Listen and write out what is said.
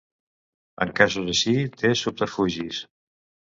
En casos així té subterfugis.